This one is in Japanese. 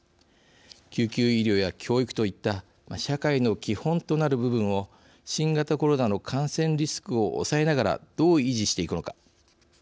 救急医療や教育といった社会の基本となる部分を新型コロナの感染リスクを抑えながらどう維持していくのか。